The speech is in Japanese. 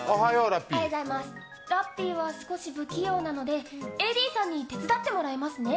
ラッピーは少し不器用なのでＡＤさんに手伝ってもらいますね。